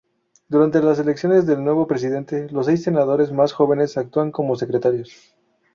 Durante la elección del nuevo presidente, los seis senadores más jóvenes actúan como secretarios.